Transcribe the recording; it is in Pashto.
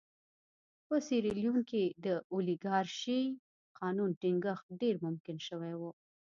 په سیریلیون کې د اولیګارشۍ قانون ټینګښت ډېر ممکن شوی و.